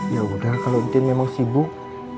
yaudah kalau mungkin memang sibuk